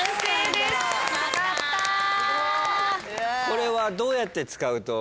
これはどうやって使うと。